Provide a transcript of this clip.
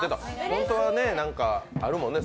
本当は何かあるもんね